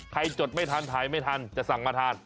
จดไม่ทันถ่ายไม่ทันจะสั่งมาทาน